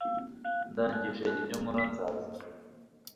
Ndangije ibyo nkora nzaza